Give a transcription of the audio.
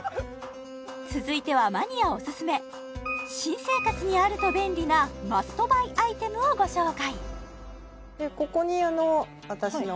続いてはマニアオススメ新生活にあると便利なマストバイアイテムをご紹介